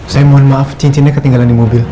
saya mohon maaf cincinnya ketinggalan di mobil